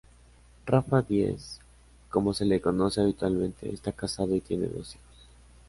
Rafa Díez, como se le conoce habitualmente, está casado y tiene dos hijos.